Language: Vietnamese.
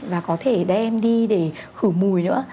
và có thể đem đi để khử mùi nữa